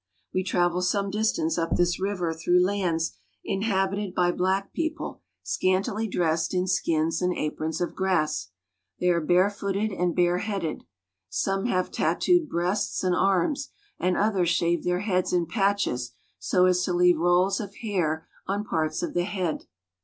We travel some distance up this river through lands inhabited by black people scantily dressed in skins and aprons of grass. They are barefooted and bareheaded. Some have tattooed breasts and arms, and others shave their heads in patches so as to leave rolls of hair on parts of the head.